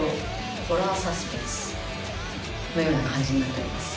ホラーサスペンスのような感じになっております。